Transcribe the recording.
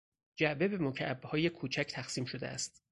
جعبه به مکعبهای کوچک تقسیم شده است.